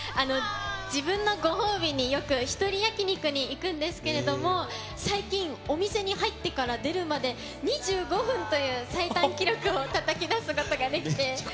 自分のご褒美によく一人焼き肉に行くんですけれども、最近、お店に入ってから出るまで、２５分という最短記録をたたき出すことができて。